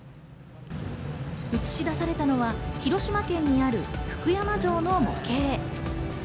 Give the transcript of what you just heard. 映し出されたのは広島県にある福山城の模型。